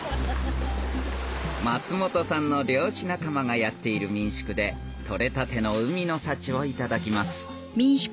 松本さんの漁師仲間がやっている民宿で獲れたての海の幸をいただきます